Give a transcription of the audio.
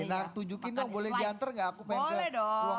nak tujuh kita boleh diantar nggak aku pengen dong